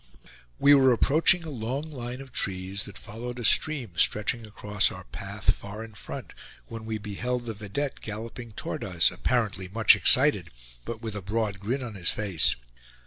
We were approaching a long line of trees, that followed a stream stretching across our path, far in front, when we beheld the vedette galloping toward us, apparently much excited, but with a broad grin on his face.